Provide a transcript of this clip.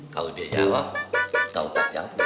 kalau dia jawab kalau tak jawab